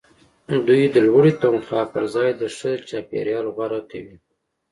دوی د لوړې تنخوا پرځای د ښه چاپیریال غوره کوي